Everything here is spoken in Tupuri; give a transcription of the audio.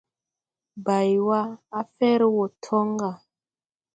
Baywa, a fer wo toŋ ga.